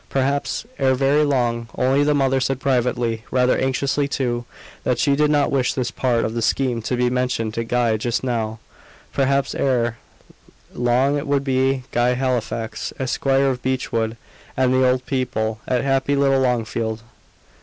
Perhaps, ere very long only the mother said privately, rather anxiously too, that she did not wish this part of the scheme to be mentioned to Guy just now perhaps, ere long it would be "Guy Halifax, Esquire, of Beechwood;" and "the old people" at happy little Longfield.